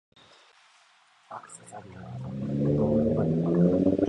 アクセサリーは程々が良い。